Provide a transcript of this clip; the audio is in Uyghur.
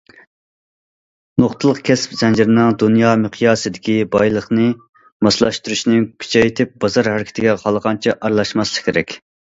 نۇقتىلىق كەسىپ زەنجىرىنىڭ دۇنيا مىقياسىدىكى بايلىقىنى ماسلاشتۇرۇشنى كۈچەيتىپ، بازار ھەرىكىتىگە خالىغانچە ئارىلاشماسلىق كېرەك.